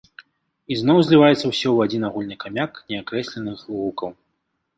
І зноў зліваецца ўсё ў адзін агульны камяк неакрэсленых гукаў.